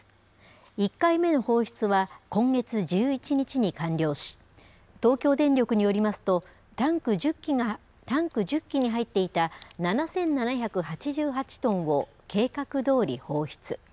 １回目の放出は今月１１日に完了し、東京電力によりますと、タンク１０基に入っていた７７８８トンを計画どおり放出。